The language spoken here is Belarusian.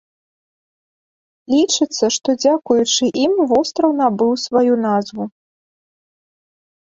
Лічыцца, што дзякуючы ім востраў набыў сваю назву.